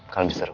kalian bisa seru